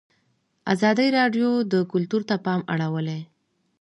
ازادي راډیو د کلتور ته پام اړولی.